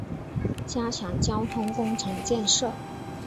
加强交通工程建设